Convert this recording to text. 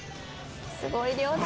すごい量だ。